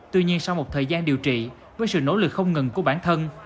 tuy nhiên sau một thời gian điều trị với sự nỗ lực không ngừng của bản thân